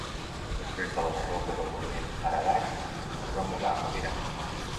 Després de la derrota del moviment Ararat, es va mudar a l'Iran.